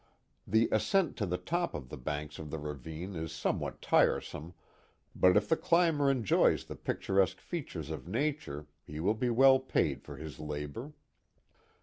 The ascent to the top of the banks of the ravine is somewhat tiresome, but if the climber enjoys the picturesque features of nature he will be well piud for his labor.